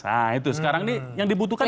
nah itu sekarang nih yang dibutuhkan